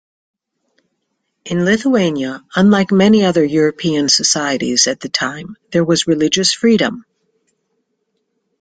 In Lithuania, unlike many other European societies at the time, there was religious freedom.